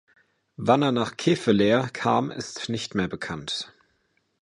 Wann er nach Kevelaer kam ist nicht mehr bekannt.